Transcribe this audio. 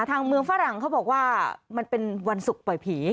ทางเมืองฝรั่งเขาบอกว่ามันเป็นวันศุกร์ปล่อยผี